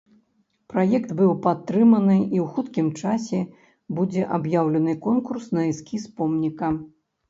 Праект быў падтрыманы і ў хуткім часе будзе аб'яўлены конкурс на эскіз помніка.